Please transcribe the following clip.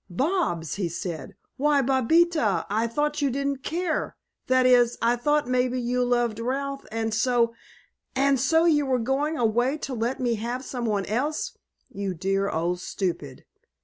"Bobs," he said, "why, Bobita, I thought you didn't care; that is, I thought maybe you loved Ralph, and so " "And so you were going away to let me have someone else, you dear old stupid!